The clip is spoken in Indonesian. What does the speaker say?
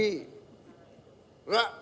kita harus berkembang